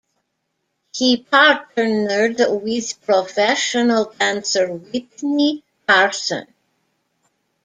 He partnered with professional dancer Witney Carson.